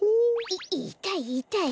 いいたいいたい。